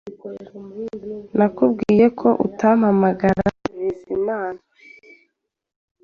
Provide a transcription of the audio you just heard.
Nakubwiye ko utampamagara, Bizimana